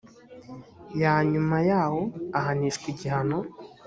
ya nyuma yaho ahanishwa igihano